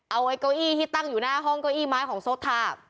เอาไอ้เก้าอี้ที่ตั้งอยู่หน้าห้องเก้าอี้ไม้ของโซทา